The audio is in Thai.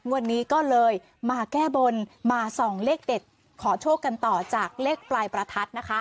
วันนี้ก็เลยมาแก้บนมาส่องเลขเด็ดขอโชคกันต่อจากเลขปลายประทัดนะคะ